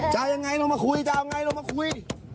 จะเอายังไงลงมาคุย